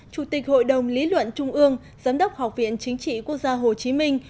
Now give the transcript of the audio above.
chủ tịch hội đồng lý luận trung ương giám đốc học viện chính trị quốc gia hồ chí minh